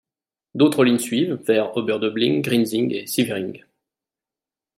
D'autres lignes suivent, vers Oberdöbling, Grinzing et Sievering.